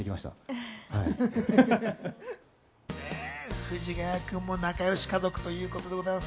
藤ヶ谷君も仲良し家族ということでございます。